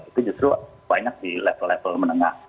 itu justru banyak di level level menengah